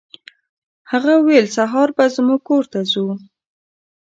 هغه ویل سهار به زموږ کور ته ځو.